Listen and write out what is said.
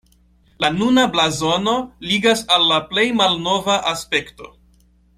La nuna blazono ligas al la plej malnova aspekto.